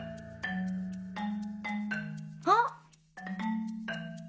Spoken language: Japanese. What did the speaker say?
あっ！